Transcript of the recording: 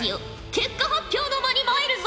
結果発表の間に参るぞ。